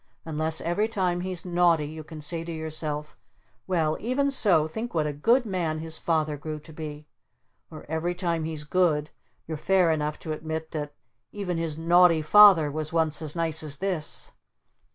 Unless every time he's naughty you can say to yourself 'Well, even so think what a good man his Father grew to be!' Or every time he's good you're fair enough to admit that 'Even his naughty Father was once as nice as this!'"